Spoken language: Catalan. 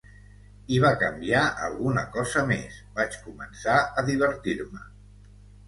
I va canviar alguna cosa més: vaig començar a divertir-me!